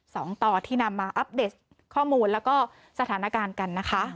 สองต่อที่นำมาอัปเดตข้อมูลแล้วก็สถานการณ์กันนะคะ